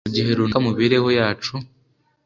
mu gihe runaka mu mibereho yacu